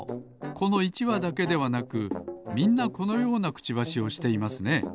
この１わだけではなくみんなこのようなクチバシをしていますね。